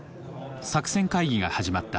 作戦会議が始まった。